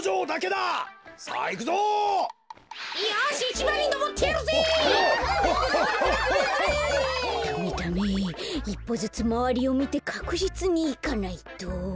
いっぽずつまわりをみてかくじつにいかないと。